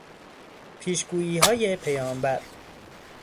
پیشگوییهای پیامبر